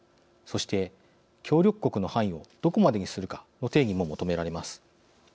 そして、協力国の範囲をどこまでにするかの定義も求められます。